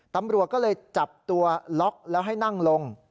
ตำรวจก็เลยจับตัวล็อกแล้วให้นั่งลง